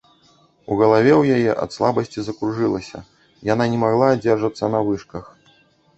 У галаве ў яе ад слабасці закружылася, яна не магла адзержацца на вышках.